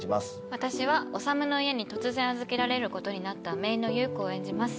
私は治の家に突然預けられることになった姪の優子を演じます